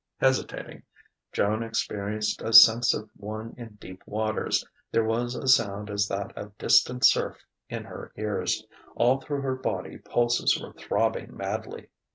Hesitating, Joan experienced a sense of one in deep waters. There was a sound as that of distant surf in her ears. All through her body pulses were throbbing madly.